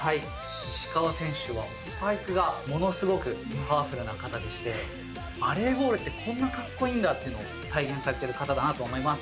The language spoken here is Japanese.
石川選手はスパイクがものすごくパワフルな方でしてバレーボールってこんなカッコイイんだって体現されてる方だなと思います。